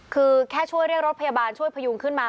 คือแค่ช่วยเรียกรถพยาบาลช่วยพยุงขึ้นมา